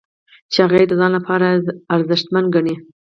چې هغه یې د ځان لپاره ارزښتمن ګڼي.